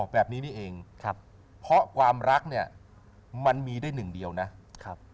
แบบนี้นี่เองครับเพราะความรักเนี่ยมันมีได้หนึ่งเดียวนะครับ